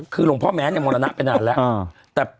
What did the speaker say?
คือหลวงพ่อแม้นเนี่ยมรณะไปนานแล้ว